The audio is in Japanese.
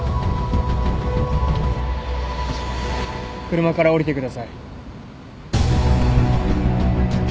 車から降りてください。